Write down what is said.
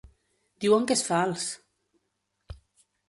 Diuen que és fals!